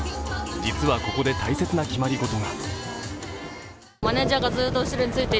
実はここで大切な決まり事が。